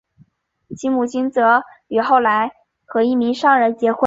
其母亲则于后来和一名商人结婚。